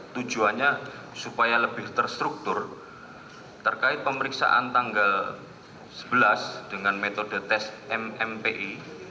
tujuannya supaya lebih terstruktur terkait pemeriksaan tanggal sebelas dengan metode tes mmpi